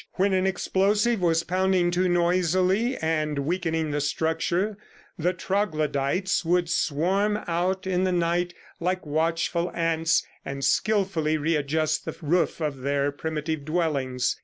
When an explosion was pounding too noisily and weakening the structure, the troglodytes would swarm out in the night like watchful ants, and skilfully readjust the roof of their primitive dwellings.